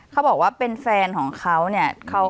เขาบอกว่าเป็นแฟนของเขาเนี่ย